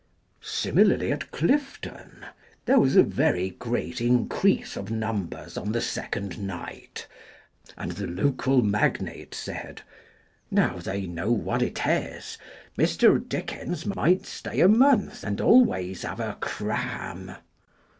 Similarly at Clifton. There was a very great increase of Numbers on the second night, and the local Magnate said u Now they know what it is, Mr. Dickens might stay a month and always have a cram."